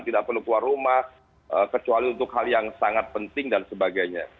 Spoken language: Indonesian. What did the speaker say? tidak perlu keluar rumah kecuali untuk hal yang sangat penting dan sebagainya